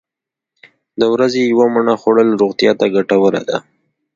د ورځې یوه مڼه خوړل روغتیا ته ګټوره ده.